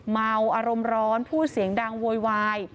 เมาอารมณ์ร้อนพูดเสียงดังโวยวาย